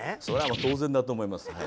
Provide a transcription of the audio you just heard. そりゃもう当然だと思います